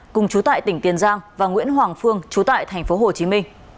cùng chú tại tỉnh tiền giang và nguyễn hoàng phương trú tại tp hcm